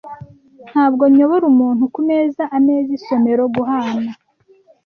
Ntabwo nyobora umuntu kumeza-ameza, isomero, guhana,